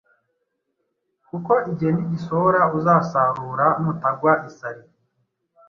kuko igihe nigisohora uzasarura nutagwa isari.